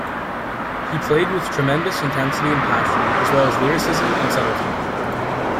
He played with tremendous intensity and passion, as well as lyricism and subtlety.